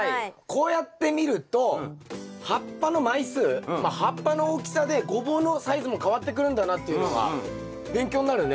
こうやって見ると葉っぱの枚数葉っぱの大きさでゴボウのサイズも変わってくるんだなっていうのが勉強になるね。